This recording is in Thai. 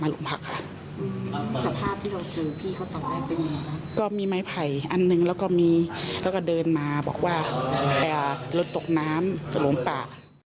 แล้วก็เดินมาบอกว่ารถตกน้ำจะหลงป่า